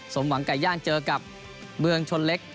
สมหวังไก่ย่างเจอกับเมืองชนเล็ก